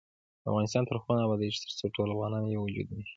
افغانستان تر هغو نه ابادیږي، ترڅو ټول افغانان یو وجود نشي.